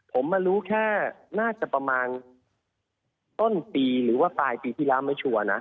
ผมมารู้แค่น่าจะประมาณต้นปีหรือว่าปลายปีที่แล้วไม่ชัวร์นะ